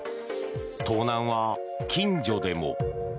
盗難は、近所でも。